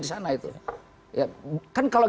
di sana itu ya kan kalau